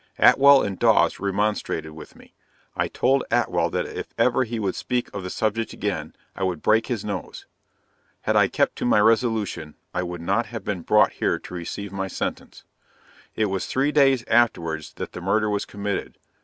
Atwell and Dawes remonstrated with me; I told Atwell that if ever he would speak of the subject again, I would break his nose. Had I kept to my resolution I would not have been brought here to receive my sentence. It was three days afterwards that the murder was committed.